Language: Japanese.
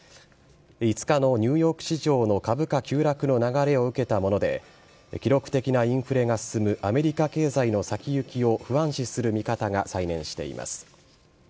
５日のニューヨーク市場の株価急落の流れを受けたもので記録的なインフレが進むアメリカ経済の先行きを不安視する見方が再燃しています。